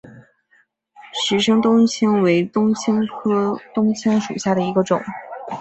石生冬青为冬青科冬青属下的一个种。